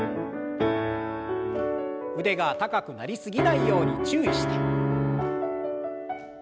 腕が高くなり過ぎないように注意して。